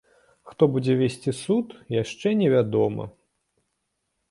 Хто будзе весці суд, яшчэ невядома.